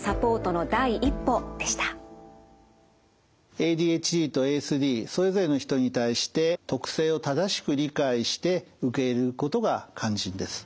ＡＤＨＤとＡＳＤそれぞれの人に対して特性を正しく理解して受け入れることが肝心です。